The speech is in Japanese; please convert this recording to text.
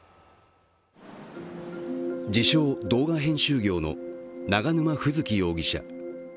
自称・動画編集業の永沼楓月容疑者。